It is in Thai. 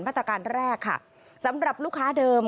มาตรการแรกค่ะสำหรับลูกค้าเดิม